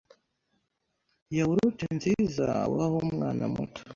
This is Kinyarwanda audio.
yawurute nziza waha umwana muto